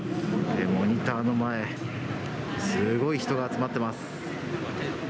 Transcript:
モニターの前、すごい人が集まってます。